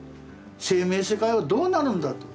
生命世界はどうなるんだと。